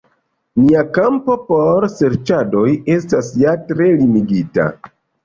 Nia kampo por serĉadoj estas ja tre limigita.